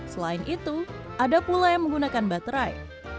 selain itu ada pula yang menggunakan baterai